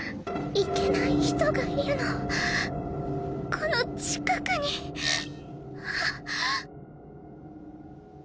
いけない人がいるのこの近くに。ハァ。